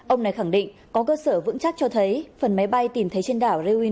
ông này khẳng định có cơ sở vững chắc cho thấy phần máy bay tìm thấy trên đảo rerui